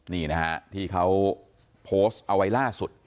นี่นะฮะที่เขาโพสต์เอาไว้ล่าสุด